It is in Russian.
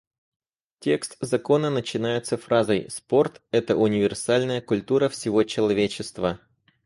Текст закона начинается фразой: «Спорт — это универсальная культура всего человечества».